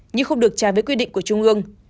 nhưng không được trái với quy định của trung ương